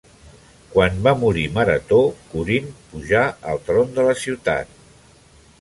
Quan va morir Marató, Corint pujà al tron de la ciutat.